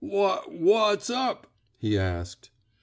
Wha — what's up?*' he asked.